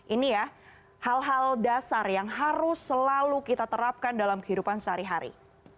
ini ya hal hal dasar yang harus selalu kita terapkan dalam kehidupan sehari hari